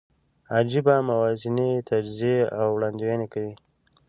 عجېبه موازنې، تجزیې او وړاندوینې کوي.